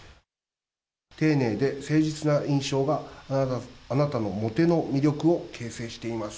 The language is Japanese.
丁寧で誠実な印象が、あなたのモテの魅力を形成しています。